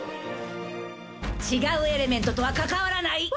違うエレメントとは関わらない！